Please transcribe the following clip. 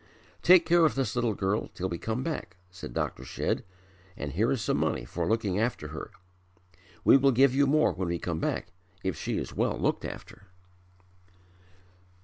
"Take care of this little girl till we come back," said Dr. Shedd, "and here is some money for looking after her. We will give you more when we come back if she is well looked after."